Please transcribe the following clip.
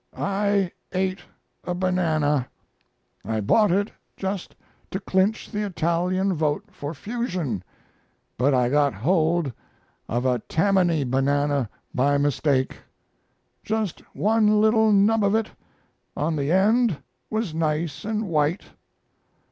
I ate a banana. I bought it just to clinch the Italian vote for fusion, but I got hold of a Tammany banana by mistake. Just one little nub of it on the end was nice and white.